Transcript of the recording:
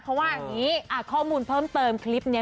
เขาว่าอย่างนี้ข้อมูลเพิ่มเติมคลิปนี้